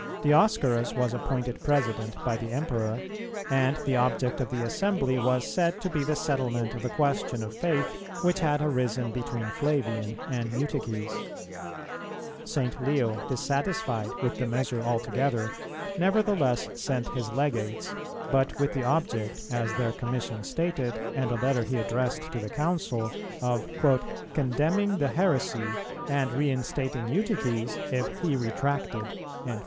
[299:1] Dioscorus was appointed President by the Emperor, and the object of the assembly was said to be the settlement of a question of faith which had arisen between Flavian and Eutyches. St. Leo, dissatisfied with the measure altogether, nevertheless sent his legates, but with the object, as their commission stated, and a letter he addressed to the Council, of "condemning the heresy, and reinstating Eutyches if he retracted."